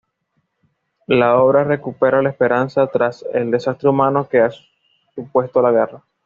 La obra recupera la esperanza tras el desastre humano que ha supuesto la guerra.